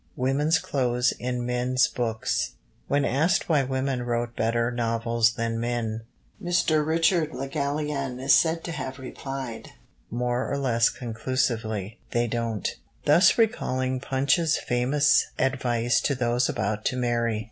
Women's Clothes in Men's Books When asked why women wrote better novels than men, Mr. Richard Le Gallienne is said to have replied, more or less conclusively, "They don't"; thus recalling Punch's famous advice to those about to marry.